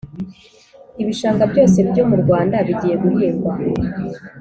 Ibishanga byose byo murwanda bigiye guhingwa